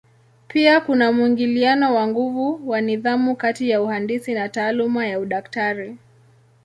Pia kuna mwingiliano wa nguvu wa nidhamu kati ya uhandisi na taaluma ya udaktari.